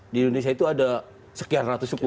di indonesia itu ada sekian ratus suku